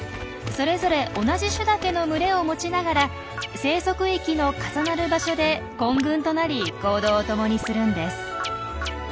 それぞれ同じ種だけの群れを持ちながら生息域の重なる場所で混群となり行動を共にするんです。